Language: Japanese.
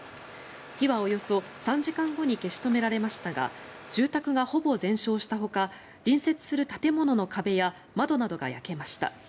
火はおよそ３時間後に消し止められましたが住宅がほぼ全焼したほか隣接する建物の壁や窓などが焼けました。